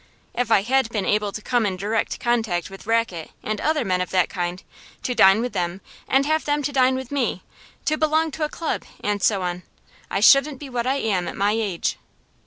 If I had been able to come in direct contact with Rackett and other men of that kind, to dine with them, and have them to dine with me, to belong to a club, and so on, I shouldn't be what I am at my age.